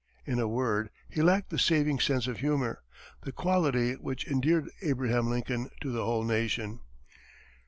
In a word, he lacked the saving sense of humor the quality which endeared Abraham Lincoln to the whole nation.